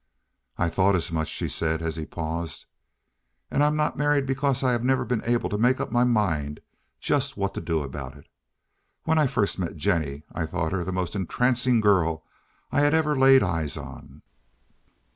"I thought as much," she said, as he paused. "And I'm not married because I have never been able to make up my mind just what to do about it. When I first met Jennie I thought her the most entrancing girl I had ever laid eyes on."